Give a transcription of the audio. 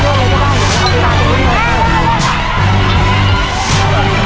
เอาสระดูกเลย